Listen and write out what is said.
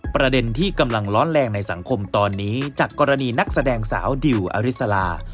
ประเด็นที่กำลังร้อนแรงในสังคมตอนนี้จากกรณีนักแสดงสาวดิวอริสลา